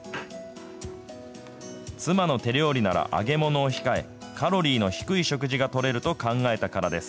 妻の手料理なら揚げ物を控え、カロリーの低い食事がとれると考えたからです。